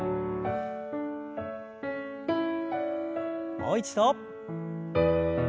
もう一度。